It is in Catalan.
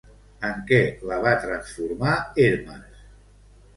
En què la va transformar Hermes?